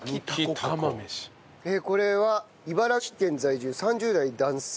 これは茨城県在住３０代男性